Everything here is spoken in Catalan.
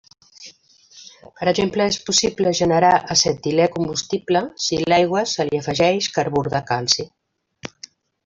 Per exemple, és possible generar acetilè combustible si l'aigua se li afegeix carbur de calci.